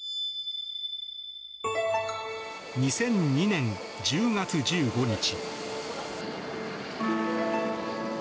２００２年１０月１５日。